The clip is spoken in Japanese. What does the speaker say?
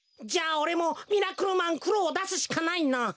じゃあおれもミラクルマンくろをだすしかないな。